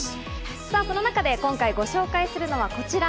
その中で今回、ご紹介するのがこちら。